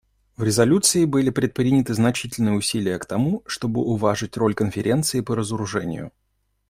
В резолюции были предприняты значительные усилия к тому, чтобы уважить роль Конференции по разоружению.